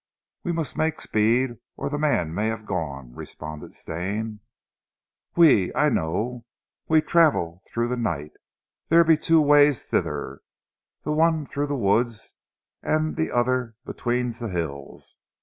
"We must make speed or the man may be gone," responded Stane. "Oui, I know! We weel travel through zee night. There be two ways thither, the one through zee woods an' zee oder between zee hills.